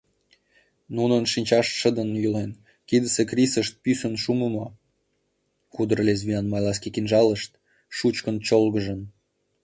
Нунын шинчашт шыдын йӱлен, кидысе крисышт — пӱсын шумымо, кудыр лезвиян малайский кинжалышт, — шучкын чолгыжын...